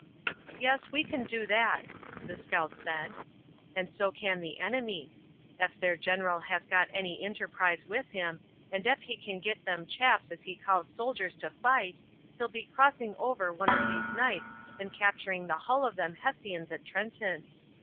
"Yes, we can do that," the scout said, "and so can the enemy. Ef their general has got any interprise with him, and ef he can get them chaps as he calls soldiers to fight, he'll be crossing over one of these nights and capturing the hull of them Hessians at Trenton.